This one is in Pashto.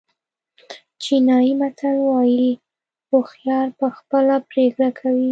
چینایي متل وایي هوښیار په خپله پرېکړه کوي.